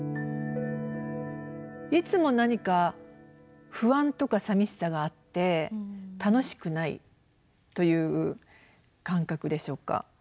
いつも何か不安とかさみしさがあって楽しくないという感覚でしょうか。